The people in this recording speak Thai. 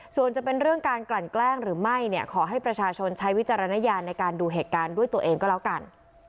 ส่วนจะเป็นเรื่องการกลั่นแกล้งหรือไม่เนี่ยขอให้ประชาชนใช้วิจารณญาณในการดูเหตุการณ์ด้วยตัวเองก็แล้วกัน